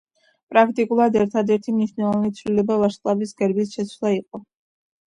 პრაქტიკულად ერთადერთი მნიშვნელოვანი ცვლილება ვარსკვლავის გერბით შეცვლა იყო.